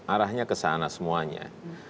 arahnya ke sana semuanya